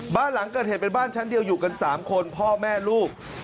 บ้านหลังเกิดเหตุเป็นบ้านชั้นเดียวอยู่กัน๓คนพ่อแม่ลูก